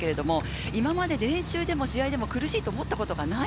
今まで練習でも試合でも苦しいと思ったことがない。